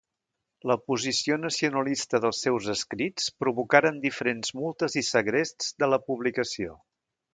La posició nacionalista dels seus escrits provocaren diferents multes i segrests de la publicació.